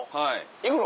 行くの？